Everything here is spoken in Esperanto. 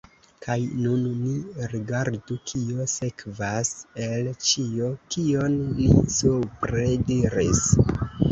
Kaj nun ni rigardu, kio sekvas el ĉio, kion ni supre diris.